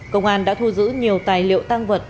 công an đã thu giữ nhiều tài liệu tăng vật